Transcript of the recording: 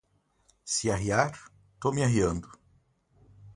Se arriar, tô me arriando